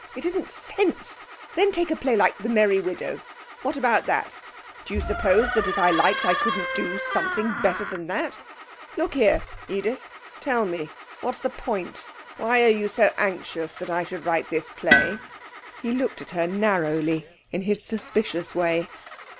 It isn't sense. Then take a play like The Merry Widow. What about that? Do you suppose that if I liked I couldn't do something better than that? Look here, Edith, tell me, what's the point? Why are you so anxious that I should write this play?' He looked at her narrowly, in his suspicious way.